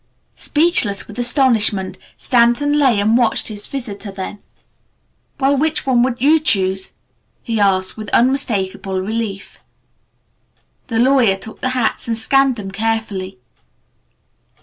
Speechless with astonishment, Stanton lay and watched his visitor, then "Well, which one would you choose?" he asked with unmistakable relief. The lawyer took the hats and scanned them carefully.